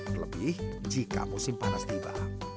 terlebih jika musim panas tiba